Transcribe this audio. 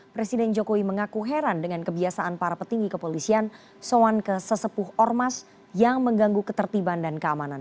presiden jokowi mengaku heran dengan kebiasaan para petinggi kepolisian soan ke sesepuh ormas yang mengganggu ketertiban dan keamanan